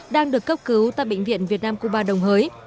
đang được cấp cứu tại bệnh viện việt nam cuba đồng hới